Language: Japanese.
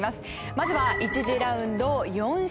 まずは１次ラウンドを４試合。